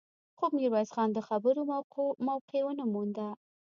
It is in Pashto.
خو ميرويس خان د خبرو موقع ونه مونده.